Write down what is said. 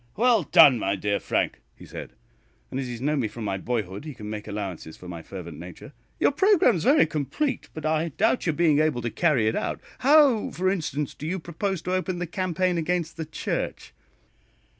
"Well done, my dear Frank," he said and as he has known me from my boyhood, he can make allowances for my fervent nature. "Your programme is very complete, but I doubt your being able to carry it out. How, for instance, do you propose to open the campaign against the Church?"